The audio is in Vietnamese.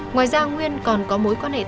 ngoài ra nguyên còn có mối quan hệ tương tự